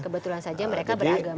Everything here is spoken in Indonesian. kebetulan saja mereka beragama